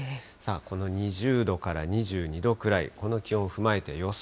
この２０度から２２度くらい、この気温を踏まえて予想